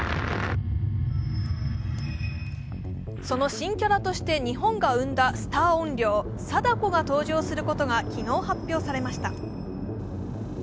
その新キャラとして日本が生んだスター怨霊、貞子が登場することが昨日、発表されました。